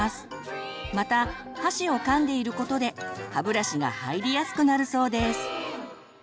また箸をかんでいることで歯ブラシが入りやすくなるそうです。